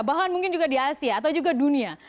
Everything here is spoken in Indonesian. bahkan mungkin juga di asia atau juga dunia